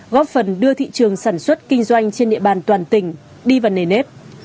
góp phần đưa thị trường sản xuất kinh doanh trên địa bàn toàn tỉnh đi vào nề nếp